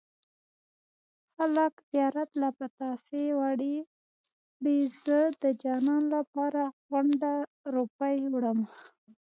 خلک زيارت له پتاسې وړي زه د جانان لپاره غونډه روپۍ وړمه